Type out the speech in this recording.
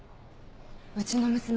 うちの娘